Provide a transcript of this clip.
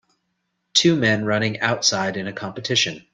Two men running outside in a competition.